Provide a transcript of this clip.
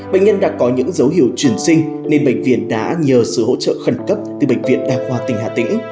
bệnh nhân đã có những dấu hiệu chuyển sinh nên bệnh viện đã nhờ sự hỗ trợ khẩn cấp từ bệnh viện đa khoa tỉnh hà tĩnh